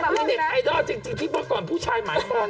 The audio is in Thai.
คือเน็ตไอดอลจริงที่ก่อนผู้ชายหมายส่วน